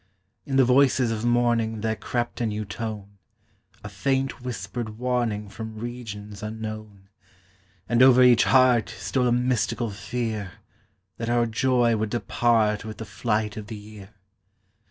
In the voices of morning There crept a new tone, A faint whispered warning From regions unknown, And over each heart Stole a mystical fear That our joy would depart With the flight of the year.